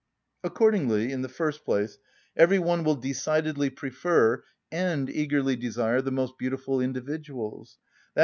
Accordingly, in the first place, every one will decidedly prefer and eagerly desire the most beautiful individuals, _i.